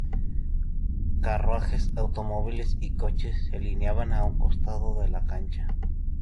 Carruajes, automóviles y coches se alineaban a un costado de la cancha.